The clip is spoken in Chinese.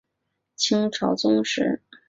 清朝宗室。